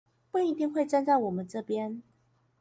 不一定會站在我們這邊